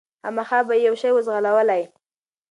خامخا به یې یو شی وو ځغلولی